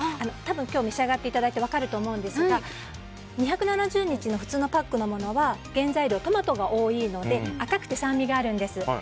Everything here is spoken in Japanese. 今日召し上がっていただいて分かると思うんですが２７０日のほうの普通のパックのものは原材料がトマトのものが多いので赤くて酸味があるんです。